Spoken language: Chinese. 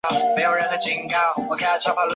义坛县是越南乂安省下辖的一个县。